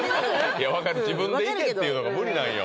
いや分かる自分で行けっていうのが無理なんよ